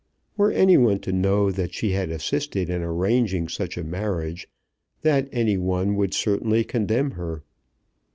Were any one to know that she had assisted in arranging such a marriage, that any one would certainly condemn her.